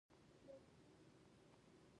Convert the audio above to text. د ویښتو د تویدو لپاره کوم څاڅکي وکاروم؟